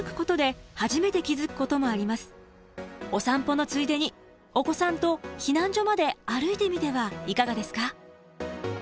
お散歩のついでにお子さんと避難所まで歩いてみてはいかがですか？